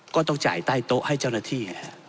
ก็ต้องจ่ายใต้โต๊ะให้เจ้าหน้าที่